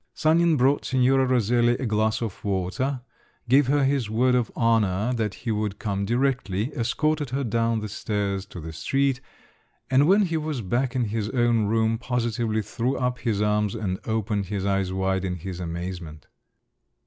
Sanin brought Signora Roselli a glass of water, gave her his word of honour that he would come directly, escorted her down the stairs to the street, and when he was back in his own room, positively threw up his arms and opened his eyes wide in his amazement.